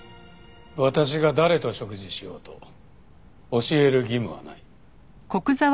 私が誰と食事しようと教える義務はない。